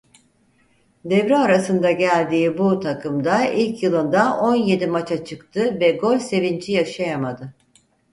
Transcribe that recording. Devre arasında geldiği bu takımda ilk yılında on yedi maça çıktı ve gol sevinci yaşayamadı.